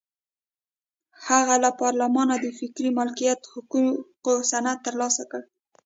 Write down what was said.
هغه له پارلمانه د فکري مالکیت حقوقو سند ترلاسه کړ.